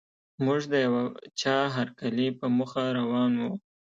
موږ د یوه چا هرکلي په موخه روان وو.